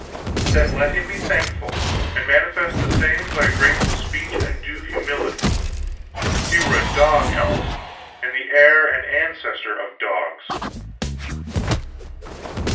"Then let him be thankful, and manifest the same by grateful speech and due humility; he were a dog, else, and the heir and ancestor of dogs."